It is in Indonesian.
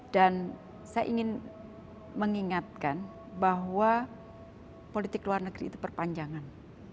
dan saya ingin mengingatkan bahwa politik luar negeri itu perpanjangan